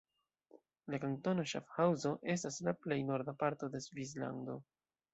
La kantono Ŝafhaŭzo estas la plej norda parto de Svislando.